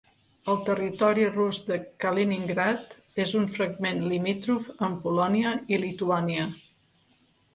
El territori rus de Kaliningrad és un fragment limítrof amb Polònia i Lituània.